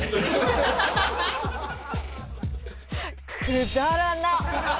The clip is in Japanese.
くだらな。